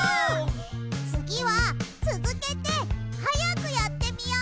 つぎはつづけてはやくやってみよ！